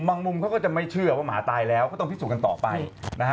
มุมเขาก็จะไม่เชื่อว่าหมาตายแล้วก็ต้องพิสูจนกันต่อไปนะฮะ